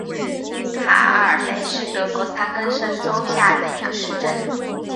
卡尔贝是德国下萨克森州的一个市镇。